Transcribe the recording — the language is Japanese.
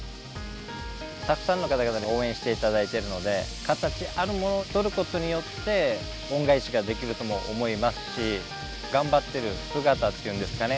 たくさんの方々に応援していただいているので形あるものをとることによって恩返しできるとも思いますし頑張っている姿というんですかね